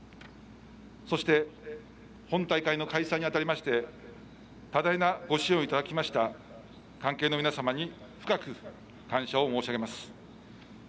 そして本大会の開催にあたりまして多大なご支援をいただきました関係の皆様に深く感謝を申し上げます。